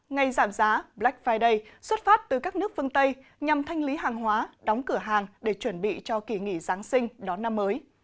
ngày giảm giá black friday xuất phát từ các nước phương tây nhằm thanh lý hàng hóa đóng cửa hàng để chuẩn bị cho kỳ nghỉ giáng sinh đón năm mới